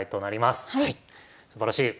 すばらしい。